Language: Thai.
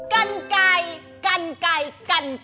กันไก่กันไก่กัน